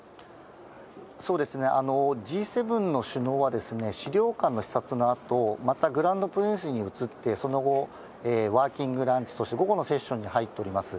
そうですね、Ｇ７の首脳は、資料館の視察のあと、またグランドプリンスに移って、その後、ワーキングランチ、そして午後のセッションに入っております。